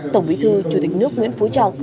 tổng bí thư chủ tịch nước nguyễn phú trọng